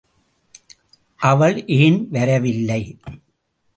அவள் ஏன் வரவில்லை?